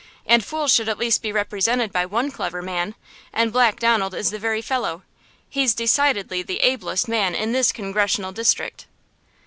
And fools should at least be represented by one clever man–and Black Donald is the very fellow! He is decidely the ablest man in this congressional district."